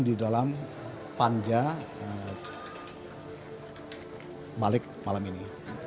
di dalam panjabalik malam ini